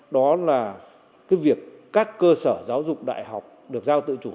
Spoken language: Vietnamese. đó là việc các cơ sở giáo dục đại học được giao tự chủ